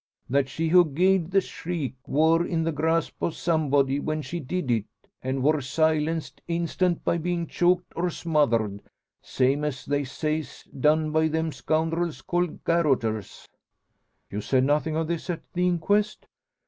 "That she who gied the shriek wor in the grasp o' somebody when she did it, an' wor silenced instant by bein' choked or smothered; same as they say's done by them scoundrels called garotters." "You said nothing of this at the inquest?"